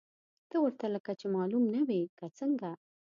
ته ورته لکه چې معلوم نه وې، که څنګه!؟